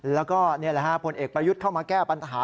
แล้วก็นี่แหละฮะผลเอกประยุทธ์เข้ามาแก้ปัญหา